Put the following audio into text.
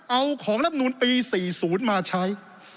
เอาของรับนูลปี๔๐มาใช้